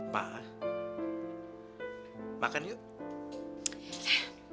ma makan yuk